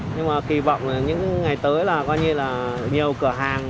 nhưng mà kỳ vọng là những ngày tới là coi như là nhiều cửa hàng